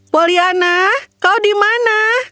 pollyanna kau di mana